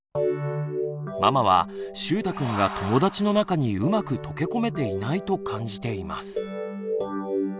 ママはしゅうたくんが友だちの中にうまく溶け込めていないと感じています。